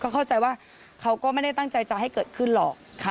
เข้าใจว่าเขาก็ไม่ได้ตั้งใจจะให้เกิดขึ้นหรอก